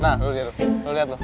nah lu liat